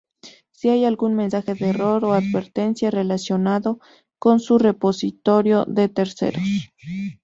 Si hay algún mensaje de error o advertencia relacionado con un repositorio de terceros